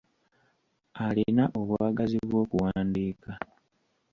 Alina obwagazi bw'okuwandiika!